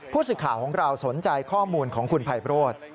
ผู้สื่อข่าวของเราสนใจข้อมูลของคุณภัยโรธ